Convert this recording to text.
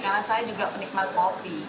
karena saya juga penikmat kopi